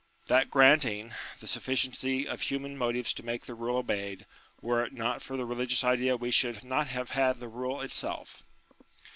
That granting the sufficiency of human motives to make the rule obeyed, were it not for the religious idea we should not have had the rule itself.